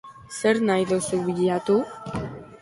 Zer nahi duzu bilatu?